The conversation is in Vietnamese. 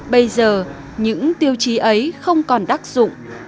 bây giờ những tiêu chí ấy không còn đắc dụng